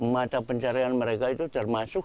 mata pencarian mereka itu termasuk